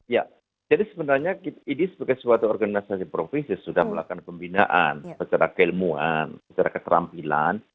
ya jadi sebenarnya idi sebagai suatu organisasi profesi sudah melakukan pembinaan secara keilmuan secara keterampilan